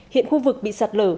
hiện khu vực bị sạt lở